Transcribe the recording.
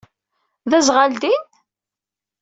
D aẓɣal din?